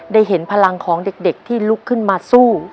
ได้เห็นพลังของเด็กที่ลุกขึ้นมาสู้